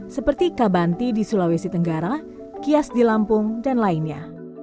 seperti kabanti di sulawesi tenggara kias di lampung dan lainnya